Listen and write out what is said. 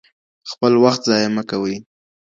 خپل وخت ضايع مه کوئ.